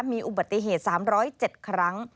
มีอุบัติเหตุ๓๐๗ครั้ง